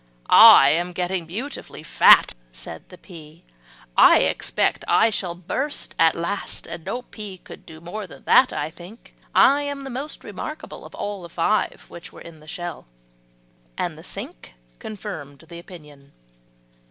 "I am getting beautifully fat," said the pea, "I expect I shall burst at last; no pea could do more that that, I think; I am the most remarkable of all the five which were in the shell." And the sink confirmed the opinion.